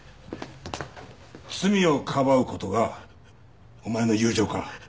罪をかばう事がお前の友情か？